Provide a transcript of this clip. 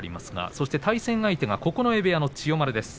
そして対戦相手が九重部屋の千代丸です。